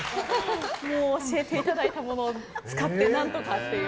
教えていただいたものを使ってなんとかっていう。